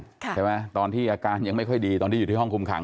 ใช่ไหมตอนที่อาการยังไม่ค่อยดีตอนที่อยู่ที่ห้องคุมขัง